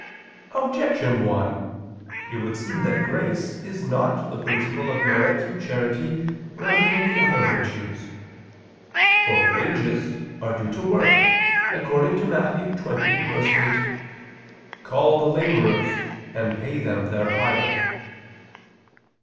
Objection 1: It would seem that grace is not the principle of merit through charity rather than the other virtues. For wages are due to work, according to Matt. 20:8: "Call the laborers and pay them their hire."